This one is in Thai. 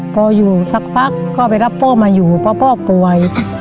พออยู่สักพักก็ไปรับพ่อมาอยู่เพราะพ่อป่วย